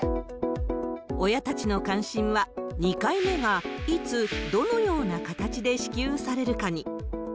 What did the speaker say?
親たちの関心は２回目がいつ、どのような形で支給されるかに。